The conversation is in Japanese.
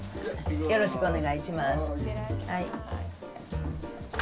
よろしくお願いします。